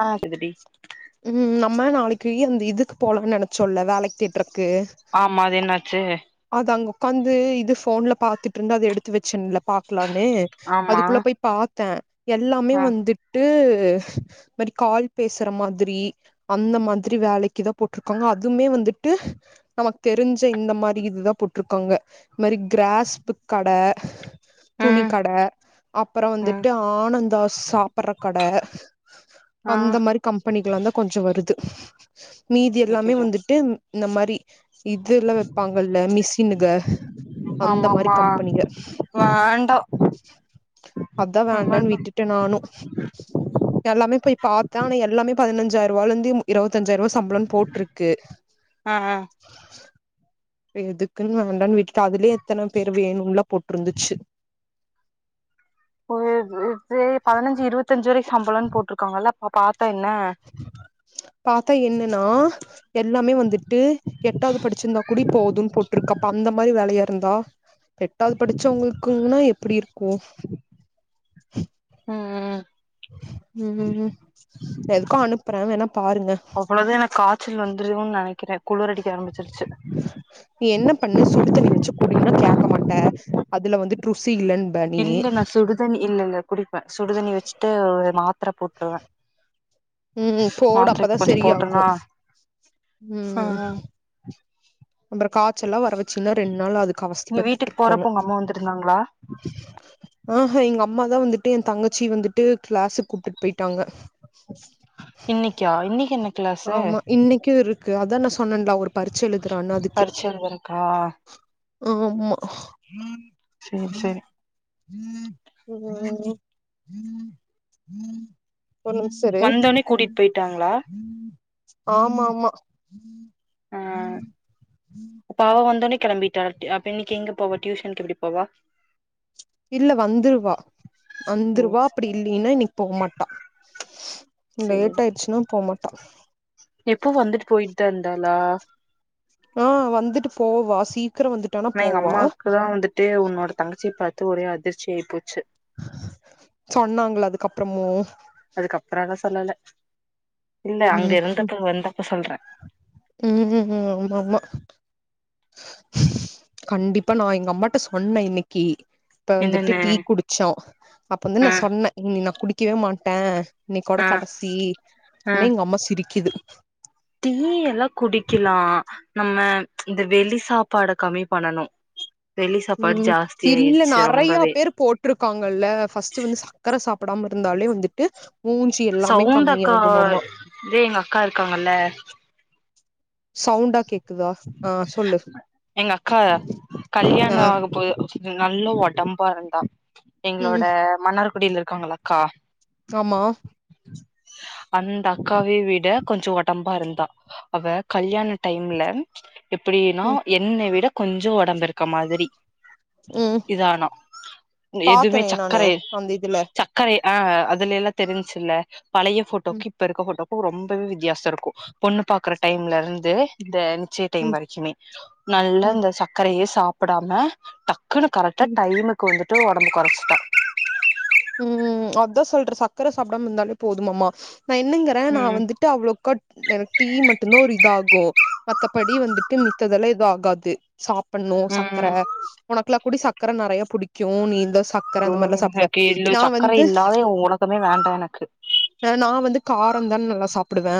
ஆ கேக்குதுடி ம் நம்ம நாளைக்கு அந்த இதுக்கு போலான்னு நெனைச்சோல்ல வேலைக் கேட்றக் ஆமா அது என்னாச்சு? அது அங்க உக்காந்து இது ஃபோன்ல பாத்துட்ருந்தே அத எடுத்து வச்சன்ல பாக்கலான் னு ஆமா அதுக்குள்ள போய் பாத் தே எல்லாமே ஆ வந்துட்டு ஆ இது மாரி கால் பேசுற மாதிரி அந்த மாதிரி வேலைக்குதா போட்ருக்காங்க அதுமே வந்துட்டு நமக்கு தெரிஞ்ச இந்த மா ரி இதுதா போட்ருக்கோங்க. இந்த மாரி கிராஸ்பு கட துணிக் ம் கட அப்புற ம் வந்துட்டு ஆனந்தா சாப்பட்ற கட [unintelligible] ஆ அந்த மாரி கம்பெனிகல்லாந்தான் கொஞ்ச வருது ச [unintelligible] மீதி எல்லாமே அச்சச்சோ வந்துட்டு இந்த மாரி இது எல்லா வப் பாங்கல்ல மிஷினுக அந்த மாரி ஆமாமா கம்பெனிக வேண்டா அதா இந்த மாரி வேண்டான்னு பண் விட்டுட்டே நானு எல்லாமே போய் பாத்தே ஆனா எல்லாமே பதனஞ்சாயர்ரூவால இருந்து இருவத் தஞ்சாயர்ரூவா சம்பளோன்னு போட்ருக்கு ஆ ஆ எதுக்குன்னு வேண்டான்னு வீட்டுட்ட அதுலயே எத்தன பேர் வேணுன்லா போட்ருந்துச்சு. ப்போ இது சேரி பதினஞ் சு இருபத்தஞ்சு வரைக்கி சம்பளம்னு போட்ருக்காங்கல்ல அப்ப பாத் பாத்தா என்னன்னா எல்லாமே வந்துட்டு எட்டாவது படிச்சிருந்தா கூடி போதுன்னு போட்ருக்கு அப்ப அந்த மாரி வேலையா ட்ட இருந்தா எட்டாவது படிச்சவங்களுக்குன்னா எப்பிடி இருக்கு? ம் ம் எதுக்கு அனுப்புறே வேண்ணா அவ்வளவுதா எனக்கு காச்சல் வந்துருமோன் நெனைக்கிற குளுர் அடிக்க ஆரம்பிச்சிருச்சு நீ என்ன பண்ணு சுடு தண்ணி வெச்சு குடிங்குன்னா கேக்க மாட்ட அதுல வந்து ட்ரூஸ் இல்ல நா சுடுதண்ணி இல்ல இல்ல குடிப்ப சுடுதண்ணி வெச்சுட்டு ஒரு மாத் த்ர போட்ருவ உம் போடு அப்பதா சரியாகோ போட்டனா ஆ உம்ம் ஆ கார் ச்சல்லா வர வெச்சினா ரெண்டு நாள் அதுக்கு நீ வீட்டுக்கு அவதிப்பட்டுட்டுயிருக்கோனு போறப்போ உங்க அம்மா வந்திருந்தாங்களா ஆஹா எங்க அம்மாதா வந்துட்டு எ தங்கச்சி வந்துட்டு கிளாஸுக்கு கூப்புட்டு போயிட்டாங்க இன்னிக்கா இன்னிக்கு என்ன கிளாஸு ஆமா இன்னிக்கு இருக் கா அதா நா சொன்னன்ல அவ ஒரு பரிச்சில இரு பறிச்ச எழுதருக்கா ஆமா சேரி சேரி [inaudible] இரு வந்தொனே கூட்டிட் போயிட்டாங்களா ஆமா ஆமா உம் ஆ உம் அப்ப அவ வந்தோனே கெளம்பிட்டா டூ அப்ப இன்னிக்கு எங்க போவா டியூஷனுக்கு எப்புடி போவா இல்ல வந்துருவா ஓ வந்துருவா அப்புடி இல்லின்னா இன்னிக்கு போ மாட்டா சேரி லேட் ஆயிருச்சுன்னா போமாட்டா எப்போ வந்துட்டு போயிட்டுதா இருந்தாளா ஆ வந்துட்டு போவா சி ஆமா எங்க அம்மாக்குதா வந்துட்டு உன்னோட தங்கச்சிய பார் த்து ஒரே அதிர்ச்சி ஆயி போச்சு சொன்னாங்கள அதுக்கப்பறமு அதுக்கப்புறலா சொல்லல இல்ல அங்க இருந்தப்ப வந்தப்ப சொல்ற ம்க்ம் ம்க்ம் அது இல்ல அம்மா கண்டிப்பா நா எங்க அம்மாட்ட சொன்ன இன்னிக்கி இப்ப வந்துட்டு என்னன்னு டீ குடிச்சோ அப்ப வந்து ஆ நா சொன் இனி நா குடி க்கவே மாட்டே இன்னைக்கோட ஆ கடைசி ஆ உன்னே எங்க அம்மா சிரிக்குது டீ எல்லா குடிக்கலா நம்ம இந்த வெளி சாப்பாட கம்மி பண்ணணு. ம் இல்ல நெறைய ரொம்பவே பேரு போட்ருக்காங்கல்ல ஃபஸ்ட் வந்து சக்கர சாப் டாம இருந்தாலே வந்துட்டு மூஞ்சி எல்லாமே சவுண்டு அக்கா கம்மியாகுமாமா இதே எங்க அக்கா இருக்காங்கல்ல சவுண்டா கேக்குதா ஆ சொல்லு எங்க அக்கா ஆ கல்யாணோ ஆகப் போது ச்சு இது நல்ல ஒடம்பா இருந்தா எங்களோட ம் மன்னார் குடில இருக்காங்கல்ல அக்கா ஆமா அந்த அக்காவை விட கொஞ்ச ஒடம்பா இருந்தா. அவ கல்யாண டைம்ல எப்படின்னா ம் என்ன விட கொஞ்சோ ஒடம்பு இருக்க மாதிரி ம் இதானா எதுமே பாத்தனே நானு சக்கரை அந்த இதுல சக்கரை ஆ அதுல எல்லா தெரிஞ்ச்சு இல்ல பழைய ம் ஃபோட்டோக்கு இப்ப இருக்க ஃபோட்டோ க்கு ரொம்பவே வித்தியாசோ இருக்கு. பொண்ணு பாக்குற டைம்ல இருந்து இந்த நிச்சய டைம் ம் வரைக்குமே நல்லா ம் இந்த சக்கரையே சாப்படாம ட க்குனு கரெக்டா ம் டைமுக்கு வந்து ட்டு ஒடம்ப கொறச்சுட்டா. ம் அதா சொல்ற சக்கர சாப்டாம இருந்தாலே போதுமாம்மா. நா என்னங்குறே நா ம் வந்துட்டு அவ்ளோக்கா எனக்கு டீ மட்டும்தா ஒரு இதாகு. மத்தபடி வந்துட்டு மித்ததெல்லா எது ஆகாது சாப் பட்ணு சக்கர ம் உனக்கெல்லா கூடி சக்கர நெறைய புடிக்கு நீயுந்தா சக்கர ஜோ அந்த மாரில்லா சாப்புடுவே எனக்கு இல்ல நா சக்கரை வந்து இல்லாத உலகமே வேண்டா எனக்கு ஆ நா வந்து காரந்தான நல்லா சாப் அப்டிதா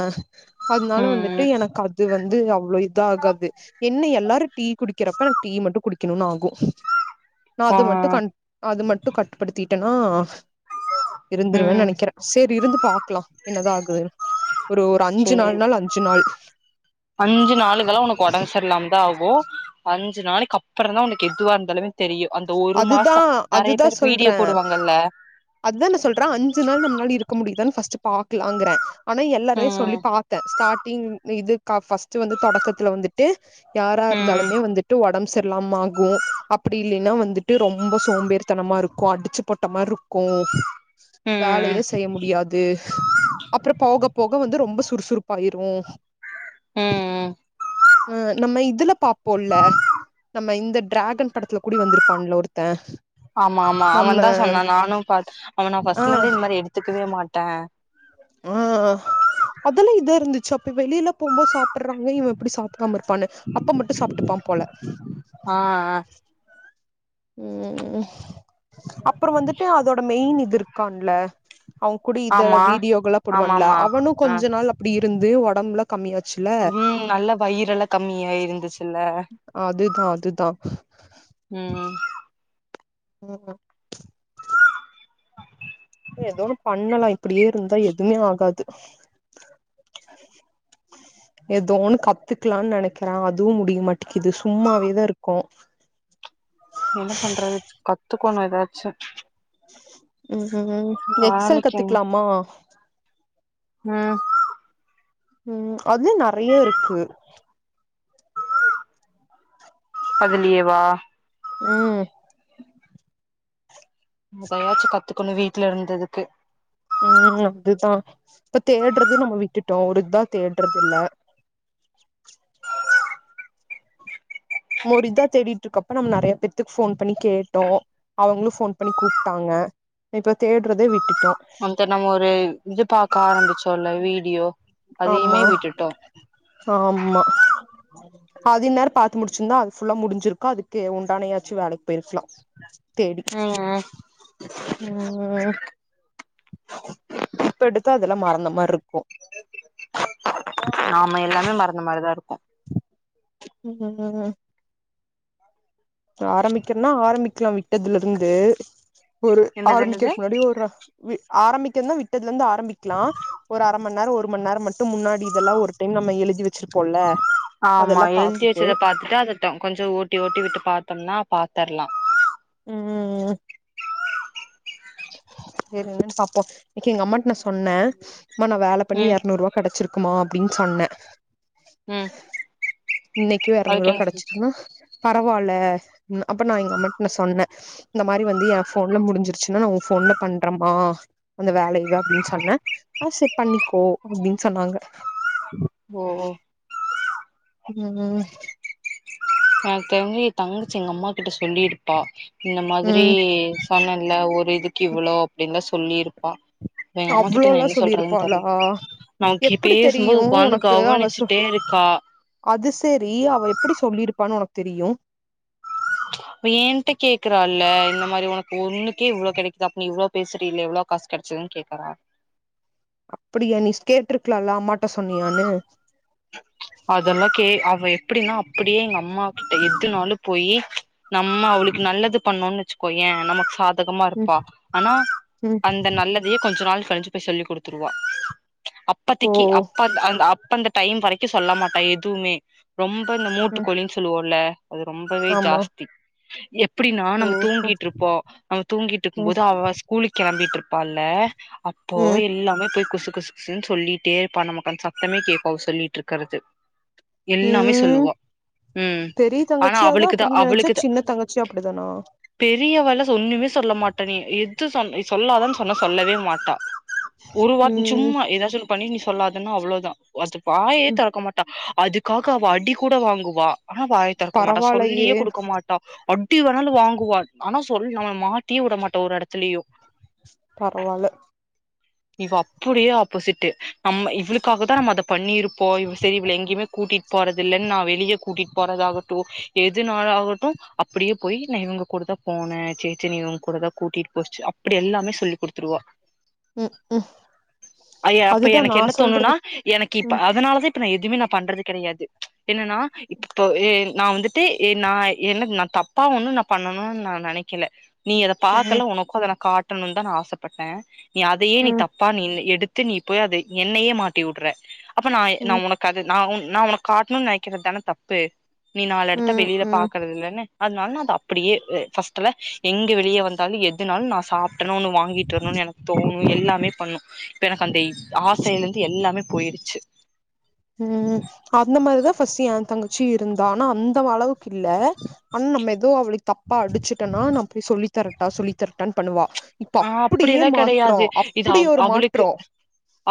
அதனால ம் வந்துட்டு எனக்கு அது வந்து அவ்ளோ இது ஆகாது என்ன எல்லாரு டீ குடிக்கிறப்ப எனக்கு டீ மட்டு குடிக்கணுன்னு ஆகு நா ஆ அது மட்டு கன் அது மட்டு கட்டுப்படுத்தி ட்டனா ஆஹ [inaudible] இருந்தருவேன்னு ம் நெனைக்கிறே சேரி இருந்து பா க்கலா என்னதா ஆகுதுனு. ஒரு ஒரு அஞ்சு சேரி நாள்னாலு அஞ்சு நாள் கு அஞ்சு நாளைக்கி அப்புறந்தா உனக்கு எதுவா இருந்தாலுமே தெரியு அந்த ஒரு அதுதா மாசோ நெறைய அதுதா பேர் வீடியோ சொல்றே போடுவாங்கல்ல அதா நா சொல்றே அஞ்சு நாள் நம்மளால இருக்க முடியு தான்னு ஃபஸ்ட் பாக்கலாங்குறே ஆனா எல்லாரையு சொல்லி ம் பாத்த ஸ்டார்ட் டிங் இது க ஃபஸ்ட் வந்து தொடக்கத்துல வந்துட்டு யாரா ம் இருந்தாலுமே வந்துட்டு ஒடம் பு சரில்லாம ஆகு அப்டி இல்லைன்னா வந்துட் டு ரொம்ப சோம்பேறித்தனமா இருக்கு அடிச்சு போட்ட மாரி இருக்கு வேலையே ம் செய்ய முடியாது அப்புறோ போக போக வந்து ரொம்ப சுறுசு றுப்பாயிருவோ ம் ஆ நம்ம இதுல பாப்போல்ல நம்ம இந்த டிராகன் படத்துல கூடி வந்துரு ப்பான்ல ஒருத்த ஆமா ஆமா அவன்தா சொன்னா நானு பாத் அவ நா ஆ ஃபஸ்ட்ல இருந்தே இந்த மாரி எடுத்துக்கவே மாட்டே ஆ அதெல்லா இதா இருந்துச்சு அப்ப வெளில போகும்போது சாப் படறாங்க இவ எப்டி சாப்டாம இருப்பான்னு அப்ப மட்டு சாப்ட்டுப்பா போல ஆ ஆ ம் ம் அப்புற வந்துட்டு அதோட மெயின் இது இரு க்கான்ல அவ கூடி இத ஆமா வீடியோகல்லா போடுவான்ல ஆமாமா அவனு ஆ கொஞ்ச நாள் அப்டி இருந்து ஒடம்பல்லா ம் நல்லா வயிறெல்லா கம்மியாயி இருந்துச்சுல்ல தா அதுதா ம் ஆமா எதோன்னு பண்ணலா இப்டியே இருந்தா எதுமே ஆகாது. ஏதோ ஒன்னு கத்துக்கலான்னு நெனைக்கிறே அதுவு முடிய மாட்டேங்கிது சும்மாவேதா இருக்கோ. என்ன பண்றது கத்துக் கோனு எதாச்சு ம் ஹும் ம் எக்செல் கத்துக்கலாமா? ஆ ம் அதுலயு நெறைய இருக்கு அதுலயேவா? ம் நம்ம இப்ப எதாச்சு கத்துக்கணு வீட்ல இருந்ததுக்கு. ம் அதுதா. இப்ப தேடுறது நம்ம விட்டுட்டோ ஒரு இதா தேடுறது இல்ல. நம்ம ஒரு இதா தேடிட்ருக்கப்ப நம்ம நெறையா பேத்துக்கு ஃபோன் பண்ணி கேட்டோ. அவங்களு ஃபோன் பண்ணி கூப்ட்டாங்க. அ இப்ப தேடுறதே விட்டுட் அந்த நம்ம ஒரு இது பாக்க ஆரம்பிச்சோ இல்ல வீடியோ அதையுமே ஆமா விட்டுட்டோ ஆமா அது இந்நேரோ பாத்து முடிச்சிருந்தா அது ஃபுல்லா முடிஞ்சிருக்கு அதுக்கு உண்டான எதாச்சு வேலைக்கி போயிருக்கலா தேடி ம் ம் இப்ப எடுத்தா அதெல்லா மறந்த மாரி இருக்கு ஆமா எல்லாமே மறந்த மாரிதா இருக்கு ம் ஆரம்பிக்கணுன்னா ஆரம்பிக்கலா விட்டதுல இருந்து ஒரு என்னது என்னது ஆரம்பிக்கறக்கு முன்னாடி ஒரு வீ ஆரம்பிக்கறதுன்னா விட்டதுல இருந்து ஆரம்பிக்கலா. ஒரு அர மணி நேரோ ஒரு மணி நேரோ மட்டு முன்னாடி இதெல்லா ஒரு டைம் நம்ம எழுதி வச்சிருப்போல்ல ஆமா அதெல்லா எழுதி பாத்துட்டு வச்சத பாத்துட்டு அதட்ட கொஞ்சோ ஓட்டி ஓட்டி விட்டு பா த்தோன்னா பாத்தரலா. ம் செரி என்னன்னு பாப்போ. இன்னக்கி எங்க அம்மாட்ட நா சொன்னே அம்மா நா வேல பண்ணி ம் எரநூர்ருவா கெடைச்சிரு க்குமா அப்டின்னு சொன்னே. ம் இன்னக்கி அதுக்கு எறநூர்ரூவா என்ன கெடைச்சுதுன்னா பரவால்ல ம் அப்ப நா எங்க அம்மாட்ட நா சொன்னே இந்த மாரி வந்து என் ஃபோன்ல முடிஞ்சிருச்சுன்னா நா உன் ஃபோன்ல பண்றம்மா அந்த வேலையவ அப்டின்னு சொன்னே ஆ சேரி பண்ணிக்கோ அப்டின்னு சொன்னாங்க. ஓ ம் எனக்கு தெரிஞ்சு ஏன் தங்கச்சி எங்க அம்மாகிட்ட சொல்லிருப்பா இந்த மாதிரி ம் சொன்னேன்ல ஒரு இதுக்கு இவ்ளோ அப்டின்லா சொல்லிருப்பா அவ்ளோ எல்லா சொல்லிருப்பாளா? நமக்கு எப்பிடி பேசும்போது தெரியு உக்காந்து உனக்கு அவ சொ கவனிச்சுட்டே இருக்கா அது செரி அவ எப்பிடி சொல்லிருப்பான்னு உனக் தெரியு அவ ஏன்ட்ட கேக்குறா இல்ல இந்த மாரி உனக்கு ஒண்ணுக்கே இவ்ளோ கெடைக்குது அப்ப நீ இவ்ளோ பேசுறயில்ல எவ்ளோ காசு கெடைச்சதுன்னு கேக்கறா அப்டியா நீ கேட்ருக்கலால்ல அம்மாட்ட சொன்னியான்னு அதல்லா கே அ அவ எப்டின்னா அ ப்பிடியே எங்க அம்மா கிட்ட எதுனாலு போயி நம்ம அவளுக்கு நல்லது பண்ணோன்னு வச்சுக்கோயே நமக்கு சாத கமா ம் இருப்பா. ஆனா ம் அந்த நல்லதையே கொஞ்ச நாள் கழிச்சு போய் சொல்லி குடுத்துருவா. ஓ அப்பத்தக்கி அப்ப அந் அப் டைம் வரைக்கி சொல்ல மாட்டா எதுவுமே ரொம் ப இந்த ம் மூட்டுகோழின்னு சொல்லுவோல்ல அது ரொம்பவே ஆமா ஜாஸ்தி எப் பிடின்னா நம்ம ஓஹோ தூங்கிட்ருப்போ நம்ம தூங்கிட்ருக்கும் ம் போது அவ ஸ்கூலுக்கு கெளம்பிட்ரு ப்பால்ல அப்போ ம் எல்லாமே போய் குசு குசுகுசுன்னு சொல்லிட்டே இருப்பா. நமக்கு அந்த சத்தமே கேக் கு அவ சொல்லிட்டு இருக்கறது எல்லாமே ம் சொல்லுவா. ம் பெரிய ஆனா தங்கச்சியாதா அவளுக்குதா அப்டின் நெனச்சா அவளுக்குதா சின்ன தங்கச்சியு அப்டிதானா பெரியவல்லா ஒண்ணுமே சொல்ல மாட் டா நீ எது சொன் நீ சொல்லாதன்னு சொன்னா சொல்லவே மாட்டா. ஒரு வார் ம் சும்மா எதாச்சு ஒன்னு பண்ணி நீ சொல்லாதன்னா அவ்ளோதா அது வாயே ம் தெறக்க மாட்டா அதுக்காக அவ அடி கூட வாங்குவா. ஆனா வாயே தெறக்க மாட்டா. பரவால்லயே சொல்லியே குடுக்க மாட்டா. அடி வேணாலு வாங்குவா ஆனா சொல் நம்மள மாட்டியே விட மாட்டா ஒரு எடத்துலயு. பரவால்ல. இவ அப்படியே ஆப்போசிட்டு நம்ம இ வுளுக்காகதா நம்ம அத பண்ணிருப்போ இவ சரி இவள எங்கயுமே கூட்டிட் போறது இல்லன்னு நா வெளிய கூட்டிட்டு போறதாகட்டு எதுனாலாகட்டு அப்டியே போய் நா இவங்க கூடதா போனே சேச்சி என்ன இவங்க கூடதா கூட்டிட்டு போச்சு அப்டி எல்லாமே சொல்லி் குடுத்துருவா. ம் ம் ஐயே அப்ப அதுதா எனக்கு நா என்ன தோணுனா சொல்றது எனக்கு இப்ப ம் அதனாலதா இ ப்ப நா எதுமே நா பண்றது கெடையாது. என்னன்னா இப்ப எ நா வந்துட்டு எ நா என்ன நா தப்பா ஒண்ணு நா பண்ணணுன்னு நா நெனைக்கில நீ அத ம் பாக்கல உனக்கு அத நா கா ட்டணுன்னுதா நா ஆசப்பட்டே நீ அதையே நீ ம் தப்பா நீனு எடு த்து நீ போய் அது என்னயே மாட்டி விடுற அப்ப நா நா ம் உனக்காக நா உன் நா உனக்கு காட்ணுன்னு நெனைக்கிறதுதான தப்பு நீ நாலு எடத்த ம் வெளில ம் பாக்குறது இல்லன்னு அதனால நா அது அப்படியே அ ஃபர்ஸ் டல்லா எங்க வெளிய வந்தாலு எதுனாலு நா சாப் டணு ஒன்னு வாங்கிட்டு வரணுன்னு என க்கு எல்லாமே பண்ணு இப்ப எனக்கு அந்த ஆசையில இருந்து எல்லாமே போயிடுச்சு ம் அந்த மாரிதா ஃபஸ்ட்டு ஏன் தங்க ச்சி இருந்தா ஆனா அந்த அளவுக்கு இல்ல ஆனா நம்ம எதோ அவளுக்கு தப்பா அடிச்சுட்டேன்னா நா போய் சொல்லித்தரட்டா சொல்லித்தரட்டானு பண்ணுவா. இப்ப ஆ அப்பிடி அப்டியே எல்லா மாற்றோ கெடையாது. இது அப்டி அவ ஒரு அவளுக்கு மாற்றோ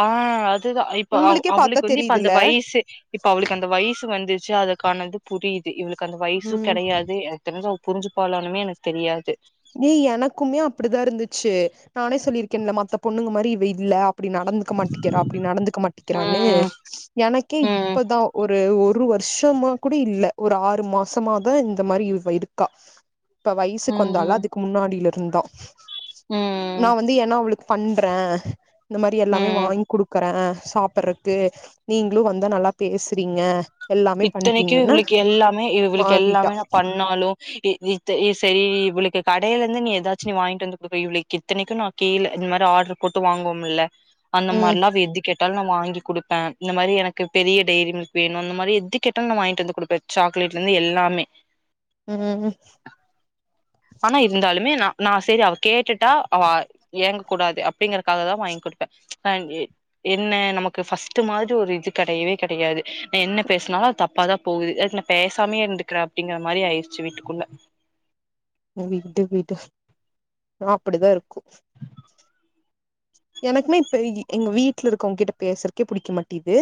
ஆ அதுதா இப்ப அவ உங்களுக்கே பாத்தா அவளுக்கு வந்து இப்ப அந்த தெரியுதுல்ல வயிசு இப்ப அவளுக்கு அந்த வயிசு வ ந்துச்சு அதுக்கான இது புரியுது இவுளு க்கு அந்த வயசு ம் கெடையாது எனக்கு தெரிஞ்சு அவ புரிஞ்சுப்பாளானுமே எனக்கு தெரியாது. டி எனக்குமே அப்டிதா இருந்துச்சு. நானே சொல்லிருக்கேன்ல மத்த பொண்ணுங்க மாரி இவ இல்ல அப்டி நடந்துக்க மாட்டிங்கிறா அப்டி நடந்துக்க மாட்டிக்கிறான்னு ம் எனக்கே ம் இப்பதா ஒரு ஒரு ஒரு வருஷமா கூட இல்ல ஒரு ஆறு மாசமாதா இந்த மாரி இவ இருக்கா இப்ப வயசுக்கு வந்தாளா ம் மாடில இருந்தா நா ம் வந்து ஏன்னா அவளு பண்ற இந்த மாரி எல்லாமே ம் வாங்கி் குடுக்கறே சாப்படறக்கு நீங்களு வந்தா நல்லா பேசுறீங்க எல்லாமே இத்தனைக்கு பண்றீங்கன்னா இவளுக்கு எல்லாமே இவளுக்கு மாறிட்டா எல்லாமே நா பண்ணாலு இ இத் இது செரி இவளுக்கு கடைல இருந்து நீ எதாச்சு நீ வாங்கிட்டு வந்து குடுக்கற இவளுக்கு இத்தனைக்கு நா கீழ இது மாரி ஆர்டர் போட்டு வாங்குவோமல்ல அந்த ம் மாரில்லா அவ எது கே ட்டாலு நா வாங்கி குடுப்பே இந்த மாரி எனக்கு பெரிய டெய்ரி மில்க் வேணு அந்த மாரி எ து கேட்டாலு நா வாங்கிட்டு வந்து குடுப்பே சாக்லேட்ல இருந்து எல்லாமே. ம் ஆனா இருந்தாலுமே நா நா செரி அவ கேட்டுட்டா அவ ஏங்க கூடாது அ ப்டிங்கறக்காகதா வாங்கி குடுப்பே. நா எ என்ன நமக்கு ஃபர்ஸ்ட்டு மாரி ஒரு இது கெடையவே கெடையாது நா என்ன பேசுனாலு அது தப்பாதா போகுது அதுக்கு நா பேசாமயே இருந்துக்கலா அப்டிங்கிற மாரி ஆயிருச்சு வீட்டுக்குள்ள ஆ விடு விடு ஆ அப்பிடிதா இருக்கு எனக்குமே இப்ப எ எங்க வீட்ல இருக்கவங்க கிட்ட பேசறக்கே புடிக்க மாட்டிது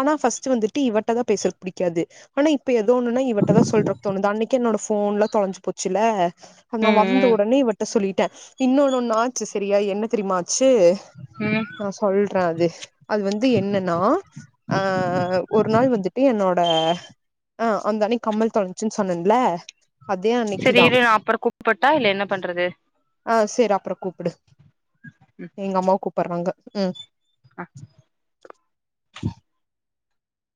ஆனா ஃபர்ஸ்ட் வந்துட்டு இவட்டதா பேசுறக்கு புடிக்காது ஆனா இ ப்ப எதோ ஒன்னுனா இவட்டதா சொல்றதுக்கு தோணுது அன்னைக் கி என்னோட ஃபோன்லா தொலஞ்சு போச்சுல்ல அது நா வந்த ம் உடனே இவட்ட சொல்லி ட இன்னொன்னொன் ஆச்சு சரியா என்ன தெரியுமாச்சு ம் ம் நா சொல்ற அது அது வந்து என்னனா ஆ ஒரு நாள் வந்துட்டு என்னோடு ட ஆ அந்தண்ணி கம்மல் தொலஞ்சுன் சொன்னன்ல அதே செரி அன்னைக்குதா இரு நா அப்றோ கூப்பட்டா இல்ல என்ன பண்றது ஆ சேர் அப்புறோ கூப்புடு எங்க அம்மாவ் கூப்பறாங்க ம் அ ஹ